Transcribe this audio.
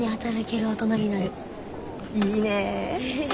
いいね！